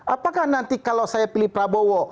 apakah nanti kalau saya pilih prabowo